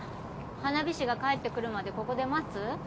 花火師が帰ってくるまでここで待つ？